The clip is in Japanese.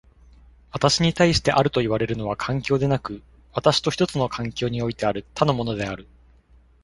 私に対してあるといわれるのは環境でなく、私と一つの環境においてある他のものである。